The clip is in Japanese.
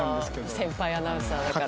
先輩アナウンサーだから。